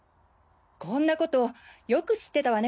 こんな事よく知ってたわね